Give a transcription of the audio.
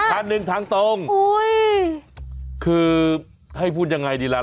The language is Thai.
อีกทางนึงทางตรงอุ้ยคือให้พูดยังไงดีแหละ